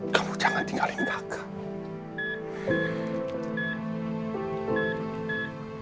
kamu jangan tinggalin kakak